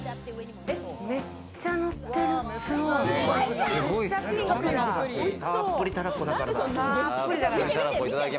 めっちゃのってる。